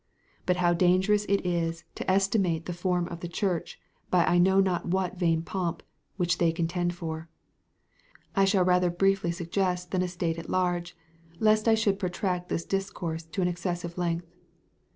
But how dangerous it is to estimate the form of the Church by I know not what vain pomp, which they contend for; I shall rather briefly suggest than state at large, lest I should protract this discourse to an excessive length.